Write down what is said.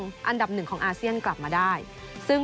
ก็จะเมื่อวันนี้ตอนหลังจดเกม